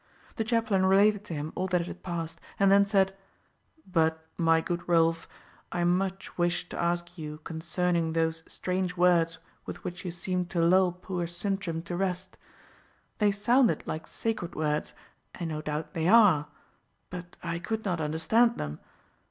The chaplain related to him all that had passed, and then said, "But, my good Rolf, I much wish to ask you concerning those strange words with which you seemed to lull poor Sintram to rest. They sounded like sacred words, and no doubt they are; but I could not understand them.